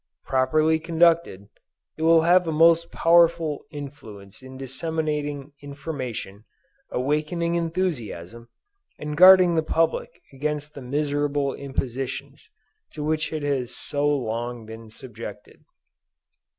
Properly conducted, it will have a most powerful influence in disseminating information, awakening enthusiasm, and guarding the public against the miserable impositions to which it has so long been subjected.